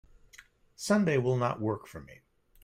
Sunday will not work for me.